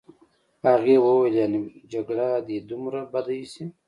هغې وویل: یعني جګړه دي دومره بده ایسي.